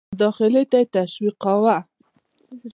مداخلې ته یې تشویقاوه.